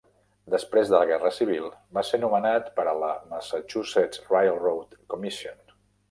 Després de la Guerra Civil, va ser nomenat per a la Massachusetts Railroad Commission.